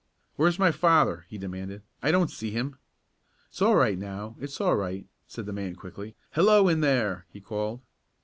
"Where is my father?" he demanded. "I don't see him." "It's all right now it's all right," said the man quickly. "Hello in there!" he called.